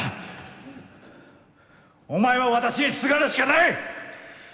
お前は私にすがるしかない！